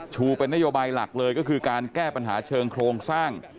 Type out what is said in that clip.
เป็นนโยบายหลักเลยก็คือการแก้ปัญหาเชิงโครงสร้าง